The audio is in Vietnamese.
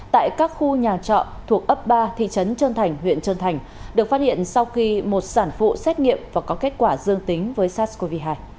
tại các khu nhà trọ thuộc ấp ba thị trấn trơn thành huyện trơn thành được phát hiện sau khi một sản phụ xét nghiệm và có kết quả dương tính với sars cov hai